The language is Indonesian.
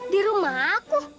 di rumah aku